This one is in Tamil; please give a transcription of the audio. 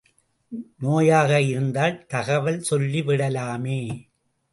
நோயாக இருந்தால் தகவல் சொல்லி விடலாமே!